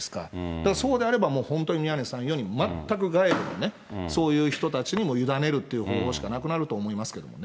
だからそうであれば、本当に宮根さん言うように、全く外部のね、そういう人たちにも委ねるという方法しかなくなると思いますけどね。